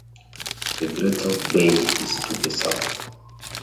The Great South Bay is to the south.